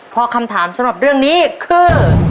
เพราะคำถามสำหรับเรื่องนี้คือ